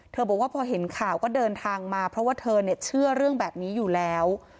บอกว่าพอเห็นข่าวก็เดินทางมาเพราะว่าเธอเชื่อเรื่องแบบนี้อยู่แล้ว